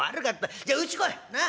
じゃあうち来いなっ。